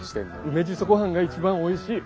梅じそごはんが一番おいしい。